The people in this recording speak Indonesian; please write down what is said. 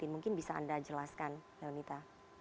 mungkin bisa anda jelaskan melmita